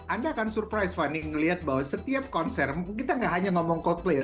anda akan surprise fanny ngelihat bahwa setiap konser kita gak hanya ngomong coldplay ya